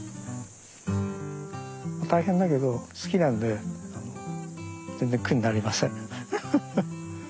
大変だけど好きなんで全然苦になりません。